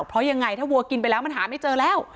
เพราะยังไงถ้าวัวกินไปแล้วมันหาไม่เจอแล้ว